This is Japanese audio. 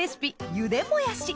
茹でもやし